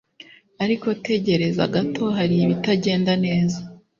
ariko tegereza gato, hari ibitagenda neza